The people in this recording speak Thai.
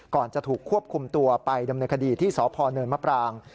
จะถูกควบคุมตัวไปดำเนินคดีที่สพเนินมะปราง